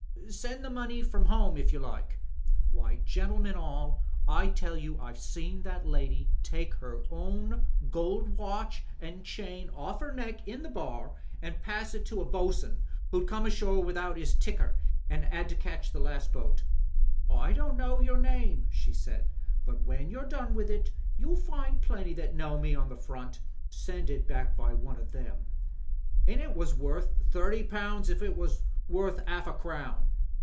Send the money from home if you Uke.' Why, gentlemen ail, I tell you IVe seen that lady take her own gold watch an' chain off her neck in the bar an' pass it to a bosun 'oo'd come ashore without 'is ticker an' 'ad to catch the last boat. 'I don't know your name,' she said, 'but when you've done with it, you'll find plenty that know me on the front. Send it back by one o' them.' And it was worth thirty pounds if it was worth 'arf a crown.